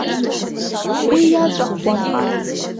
Уи иаҵәахуан.